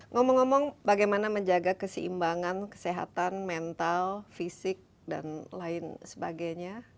ngomong ngomong bagaimana menjaga keseimbangan kesehatan mental fisik dan lain sebagainya